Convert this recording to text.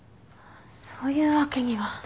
そういうわけには。